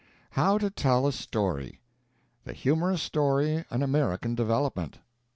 HOW TO TELL A STORY The Humorous Story an American Development.